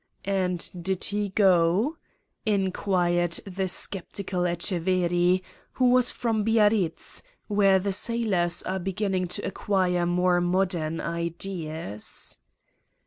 '" "And did he go?" inquired the sceptical Etcheverry—who was from Biarritz, where the sailors are beginning to acquire more modern ideas.